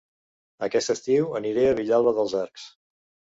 Aquest estiu aniré a Vilalba dels Arcs